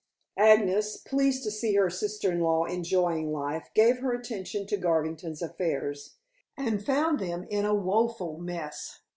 Agnes, pleased to see her sister in law enjoying life, gave her attention to Garvington's affairs, and found them in a woeful mess.